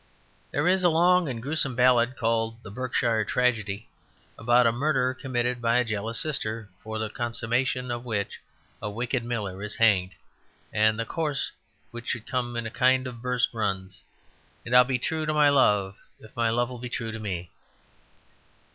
There is a long and gruesome ballad called "The Berkshire Tragedy," about a murder committed by a jealous sister, for the consummation of which a wicked miller is hanged, and the chorus (which should come in a kind of burst) runs: "And I'll be true to my love If my love'll be true to me."